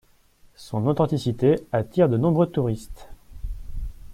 Son authenticité attire de nombreux touristes.